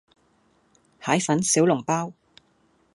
蟹粉小籠包